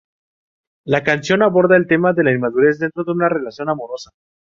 La canción aborda el tema de la inmadurez dentro de una relación amorosa.